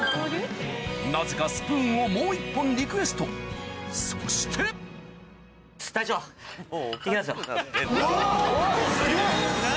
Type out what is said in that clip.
・なぜかスプーンをもう１本リクエストそして・おぉすげぇ！